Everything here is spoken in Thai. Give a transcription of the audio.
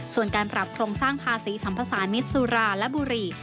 ส่วนการปรับโครงสร้างภาษีสัมภาษามิตรสุราและบุหรี่